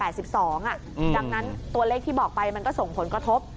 ดังนั้นตัวเลขที่บอกไปมันก็ส่งผลกระทบ